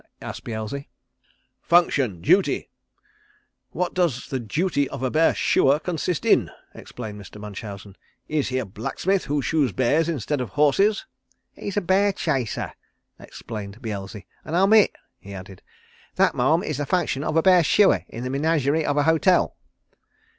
asked Beelzy. "Function duty what does the duty of a bear shooer consist in?" explained Mr. Munchausen. "Is he a blacksmith who shoes bears instead of horses?" "He's a bear chaser," explained Beelzy, "and I'm it," he added. "That, Ma'am, is the function of a bear shooer in the menagerie of a hotel."